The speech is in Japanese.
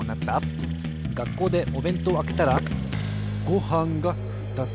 がっこうでおべんとうをあけたらごはんがふたつ。